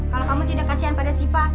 kalau kamu tidak kasihan pada sipa